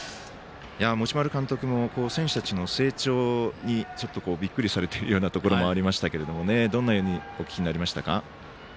持丸監督も、選手たちの成長にびっくりされているようなところもありましたがどんなふうにお聞きになりましたか？